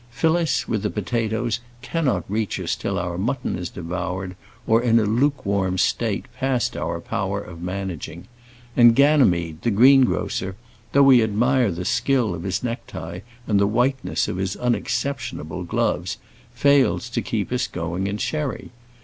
Phyllis, with the potatoes, cannot reach us till our mutton is devoured, or in a lukewarm state past our power of managing; and Ganymede, the greengrocer, though we admire the skill of his necktie and the whiteness of his unexceptionable gloves, fails to keep us going in Sherry.